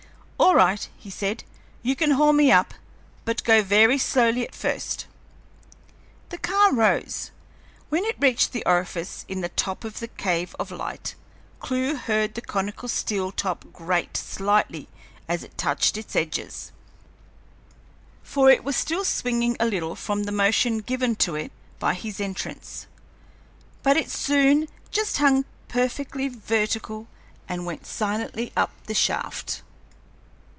"All right," he said. "You can haul me up, but go very slowly at first." The car rose. When it reached the orifice in the top of the cave of light, Clewe heard the conical steel top grate slightly as it touched its edge, for it was still swinging a little from the motion given to it by his entrance; but it soon hung perfectly vertical and went silently up the shaft.